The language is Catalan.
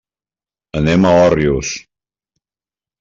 Anem a Òrrius.